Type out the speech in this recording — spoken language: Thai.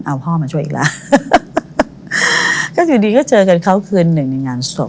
เอาพ่อมาช่วยอีกแล้วก็อยู่ดีก็เจอกันเขาคืนหนึ่งในงานศพ